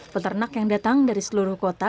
peternak yang datang dari seluruh kota